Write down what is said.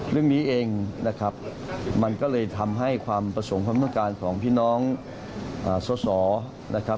เรื่องนี้เองนะครับมันก็เลยทำให้ความประสงค์ความต้องการของพี่น้องสอสอนะครับ